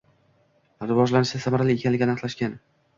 Rivojlanishida samarali ekanligi aniqlashgan